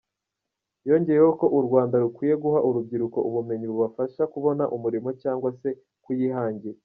Yongeyeho ko u Rwanda rukwiye guha urubyiruko ubumenyi bubafasha kubona umurimo cyangwa se kuyihangira.